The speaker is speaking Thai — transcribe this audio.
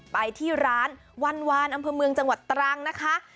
ไปที่ร้านวันวานอำเภอเมืองจังหวัดตรังนะคะ